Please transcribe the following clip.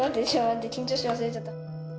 緊張して忘れちゃった。